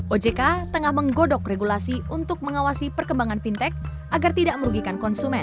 ojk tengah menggodok regulasi untuk mengawasi perkembangan fintech agar tidak merugikan konsumen